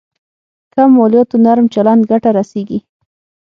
کم مالياتو نرم چلند ګټه رسېږي.